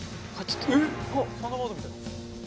『サンダーバード』みたい。